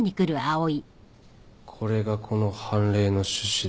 これがこの判例の趣旨だ。